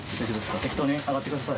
適当に上がってください。